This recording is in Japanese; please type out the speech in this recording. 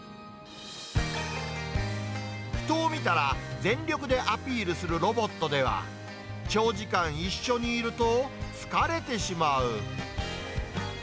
人を見たら、全力でアピールするロボットでは、長時間一緒にいると疲れてしまう。